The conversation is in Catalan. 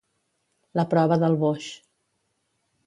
La prova del boix.